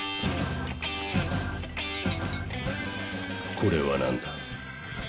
これは何だ？